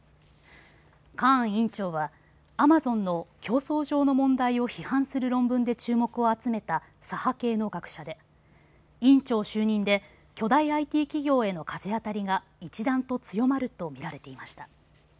カーン委員長はアマゾンの競争上の問題を批判する論文で注目を集めた左派系の学者で、委員長就任で巨大ＩＴ企業への風当たりが一段と強まると見られていました。